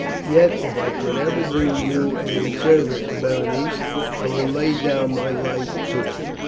Yet if I could ever do you a service, Berenice, I would lay down my life to do it."